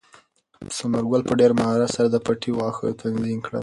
ثمر ګل په ډېر مهارت سره د پټي واښه تنظیم کړل.